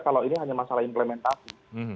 kalau ini hanya masalah implementasi